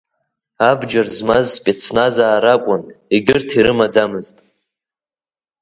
Абџьар змаз спецназаа ракәын, егьырҭ ирымаӡамызт.